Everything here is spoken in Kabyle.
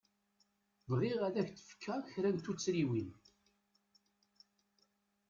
Bɣiɣ ad k-d-fkeɣ kra n tuttriwin.